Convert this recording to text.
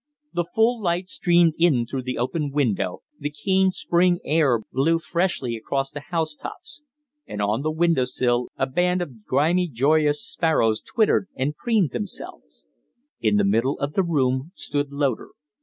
The full light streamed in through the open window; the keen spring air blew freshly across the house tops; and on the window sill a band of grimy, joyous sparrows twittered and preened themselves. In the middle of the room stood Loder.